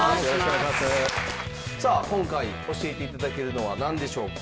今回教えて頂けるのはなんでしょうか？